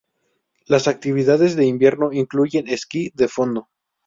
Las actividades de invierno incluyen esquí de fondo.